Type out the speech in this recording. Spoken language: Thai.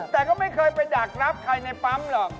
แต่ก็ไม่เคยไปดักรับใครในปั๊มหรอก